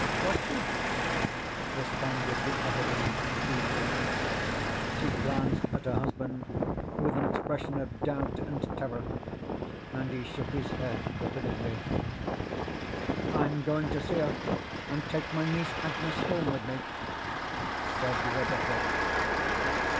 "Was she?" responded the other woman feebly. She glanced at her husband with an expression of doubt and terror, and he shook his head forbiddingly. "I'm going to see her, and take my niece Agnes home with me," said Rebecca.